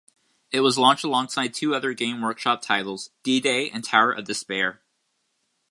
It was launched alongside two other Games Workshop titles, D-Day and Tower Of Despair.